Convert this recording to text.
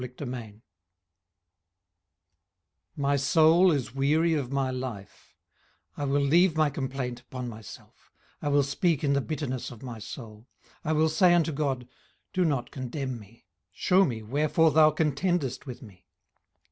18:010:001 My soul is weary of my life; I will leave my complaint upon myself; I will speak in the bitterness of my soul. 18:010:002 I will say unto God, Do not condemn me; shew me wherefore thou contendest with me.